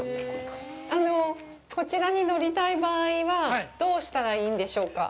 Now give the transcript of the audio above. あのう、こちらに乗りたい場合はどうしたらいいんでしょうか？